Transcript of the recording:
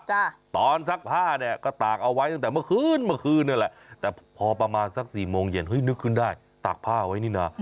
ตอนซักผ้าเนี่ยก็ตากเอาไว้ตั้งแต่เมื่อคืนเมื่อคืนนั่นแหละแต่พอประมาณสักสี่โมงเย็นเฮ้ยนึกขึ้นได้ตากผ้าไว้นี่น่ะ